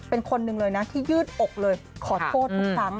เป็นคนหนึ่งเลยนะที่ยืดอกเลยขอโทษทุกครั้ง